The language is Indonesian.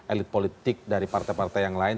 elit politik dari partai partai yang lain